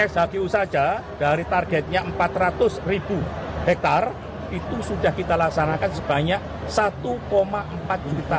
shku saja dari targetnya empat ratus ribu hektare itu sudah kita laksanakan sebanyak satu empat juta